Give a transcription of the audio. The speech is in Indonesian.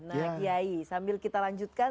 nah kiai sambil kita lanjutkan